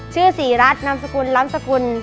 ชื่อศรีรัฐนามสกุลล้ำสกุล